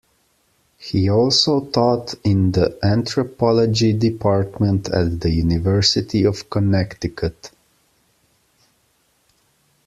He also taught in the Anthropology department at the University of Connecticut.